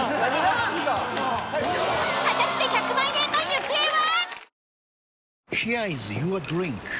果たして１００万円の行方は！？